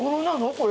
これ。